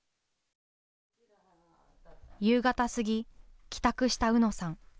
夕方過ぎ帰宅したうのさん。